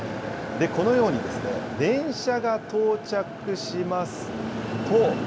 このように電車が到着しますと。